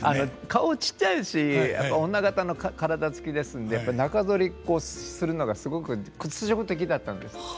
顔ちっちゃいですしやっぱり女方の体つきですんで中剃りこうするのがすごく屈辱的だったんですって。